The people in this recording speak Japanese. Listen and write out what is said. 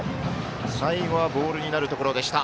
最後はボールになるところでした。